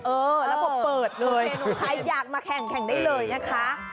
เออแล้วพอเปิดเลยใครอยากมาแข่งได้เลยนะคะ